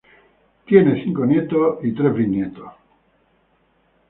Tiene cinco nietos y tres bisnietos.